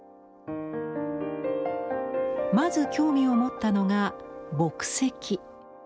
まず興味を持ったのが墨跡。